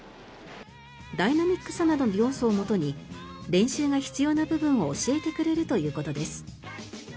ダイナミックさなどの要素をもとに練習が必要な部分を教えてくれるということです。